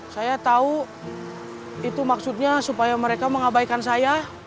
saya tahu itu maksudnya supaya mereka mengabaikan saya